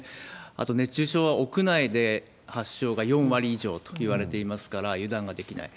あと熱中症は屋内で発症が４割以上といわれていますから、油断ができない。